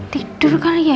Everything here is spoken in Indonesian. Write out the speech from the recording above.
tidur kali ya